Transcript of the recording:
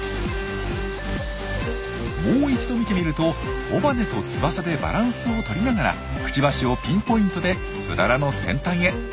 もう一度見てみると尾羽と翼でバランスを取りながらくちばしをピンポイントでツララの先端へ。